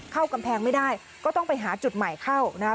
เข้ากำแพงไม่ได้ก็ต้องไปหาจุดใหม่เข้านะครับ